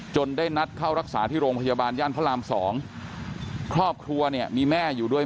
ได้นัดเข้ารักษาที่โรงพยาบาลย่านพระรามสองครอบครัวเนี่ยมีแม่อยู่ด้วย